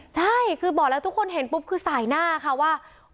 ใช่คือบอกแล้วทุกคนเห็นปุ๊บคือสายหน้าค่ะว่า